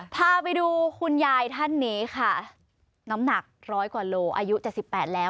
พาไปดูคุณยายท่านนี้ค่ะน้ำหนักร้อยกว่าโลอายุ๗๘แล้ว